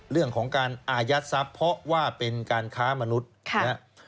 เรื่องของการอายัดทรัพย์เพราะว่าเป็นการค้ามนุษย์นะครับ